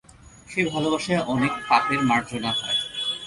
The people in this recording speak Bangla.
সেই ভালোবাসায় অনেক পাপের মার্জনা হয়।